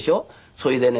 それでね